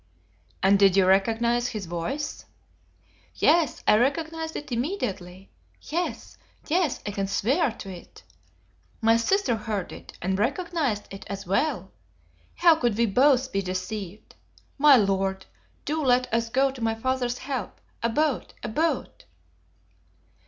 '" "And did you recognize his voice?" "Yes, I recognized it immediately. Yes, yes; I can swear to it! My sister heard it, and recognized it as well. How could we both be deceived? My Lord, do let us go to my father's help. A boat! a boat!"